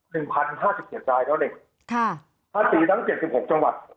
๑๐๕๗ล้านเท่านั้นเองภาษีทั้ง๗๖จังหวัด